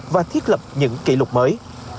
và thiết lập những kỷ lục mới